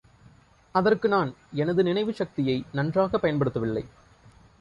அதற்கு நான் எனது நினைவுச் சக்தியை நன்றாகப் பயன்படுத்தவில்லை.